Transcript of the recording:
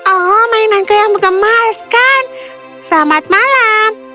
oh mainanku yang mengemas kan selamat malam